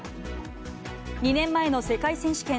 ２年前の世界選手権。